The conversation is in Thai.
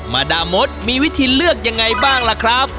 มาดามดมีวิธีเลือกยังไงบ้างล่ะครับ